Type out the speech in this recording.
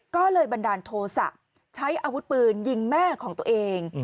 ก็เลยบันดาลโทษะใช้อาวุธปืนยิงแม่ของตัวเอง